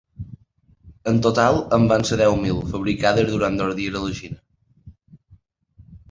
En total en van ser deu mil, fabricades durant dos dies a la Xina.